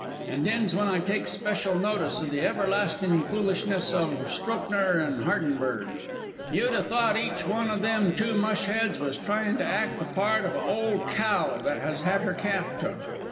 An' then's when I takes special notice o' the everlastin' foolishness o' Strokner and Hardenberg. "You'd a thought each one o' them two mush heads was tryin' to act the part of a ole cow which has had her calf took.